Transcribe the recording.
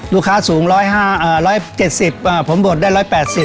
ลูกค้าสูง๑๗๐ผมบดได้๑๘๐